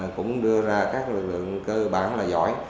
cũng đưa ra các lực lượng cơ bản là giỏi